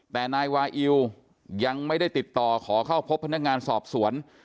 แต่นายวาอิวยังไม่ได้ติดต่อขอเข้าพบพนักงานสอบสวน